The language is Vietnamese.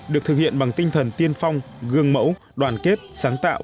được thực hiện bằng tinh thần tiên phong gương mẫu đoàn kết sáng tạo